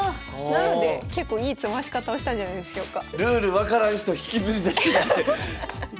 なので結構いい詰まし方をしたんじゃないでしょうか。